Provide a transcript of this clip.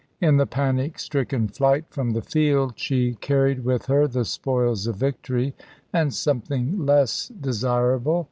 In the panic stricken flight from the field she carried with her the spoils of victory and something less desirable.